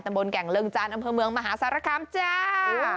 ตำบลแก่งเริงจานอำเภอเมืองมหาศาลกรรมจ้า